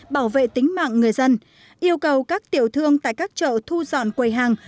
bảo vệ tính mạng người dân yêu cầu các tiểu thương tại các chợ thu dọn quầy hàng